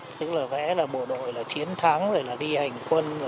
tức là vẽ là bộ đội là chiến thắng rồi là đi hành quân